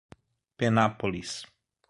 Penápolis